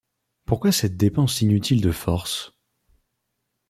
Pourquoi cette dépense inutile de force ?